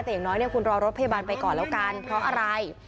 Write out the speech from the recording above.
แต่อย่างน้อยเนี่ยคุณรอรถพยาบาลไปก่อนแล้วกันเพราะอะไร